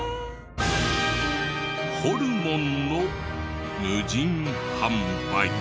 ホルモンの無人販売。